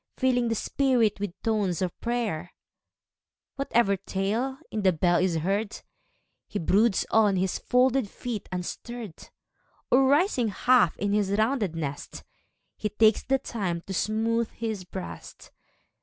Filling the spirit with tones of prayer Whatever tale in the bell is heard, lie broods on his folded feet unstirr'd, Oi, rising half in his rounded nest. He takes the time to smooth his breast.